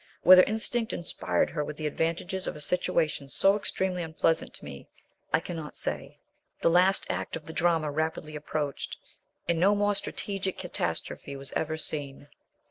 Whether instinct inspired her with the advantages of a situation so extremely unpleasant to me, I cannot say. The last act of the drama rapidly approached, and no more strategic catastrophe was ever seen.